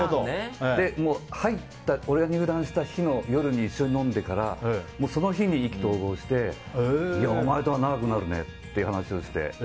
俺が入団した日の夜に一緒に飲んでからその日に意気投合してお前とは長くなるねっていう話をして。